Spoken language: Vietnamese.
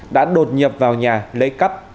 đã đột nhập vào nhà lấy cắp